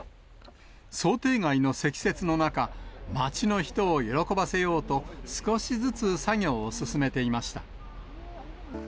想定外の積雪の中、町の人を喜ばせようと、少しずつ作業を進めていました。